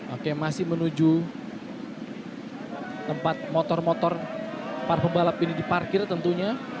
oke masih menuju tempat motor motor para pembalap ini diparkir tentunya